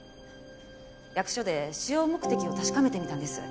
役所で使用目的を確かめてみたんです。